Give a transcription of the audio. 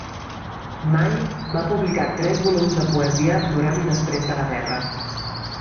May va publicar tres volums de poesia durant i després de la guerra.